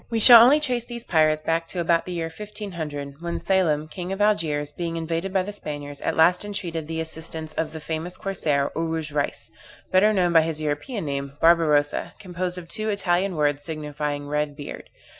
_] We shall only trace these pirates back to about the year 1500, when Selim, king of Algiers, being invaded by the Spaniards, at last entreated the assistance of the famous corsair, Oruj Reis, better known by his European name, Barbarossa, composed of two Italian words, signifying red beard.